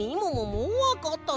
もうわかったの？